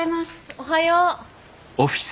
おはよう。